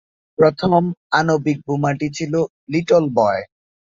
প্রথম আণবিক বোমাটি ছিল লিটল বয়।